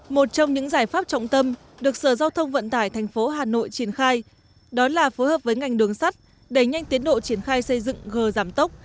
một trong những giải pháp trọng tâm được sở giao thông vận tải thành phố hà nội triển khai đó là phối hợp với ngành đường sắt đẩy nhanh tiến độ triển khai xây dựng gờ giảm tốc